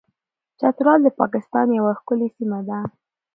چترال د پاکستان یوه ښکلې سیمه ده.